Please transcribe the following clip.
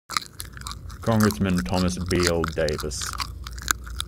Congressman Thomas Beall Davis.